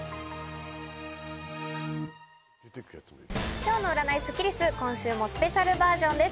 今日の占いスッキりす、今週もスペシャルバージョンです。